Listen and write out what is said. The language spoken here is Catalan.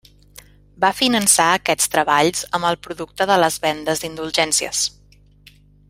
Va finançar aquests treballs amb el producte de les vendes d'indulgències.